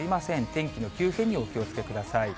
天気の急変にお気をつけください。